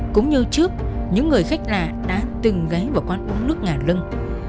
cũng như trước những người khách lạ đã từng gáy vào quán uống nước ngả lưng